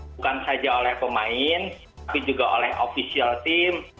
bukan saja oleh pemain tapi juga oleh official team